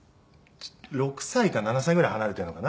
６歳か７歳ぐらい離れているのかな？